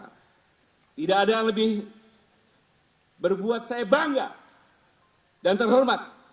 tidak ada yang lebih berbuat saya bangga dan terhormat